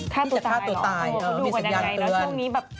ที่จะฆ่าตัวตายหรอคุณก็ดูแล้วไงครับช่วงนี้แบบมีสัญญาณเตือน